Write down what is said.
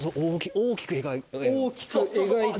大きく描いて。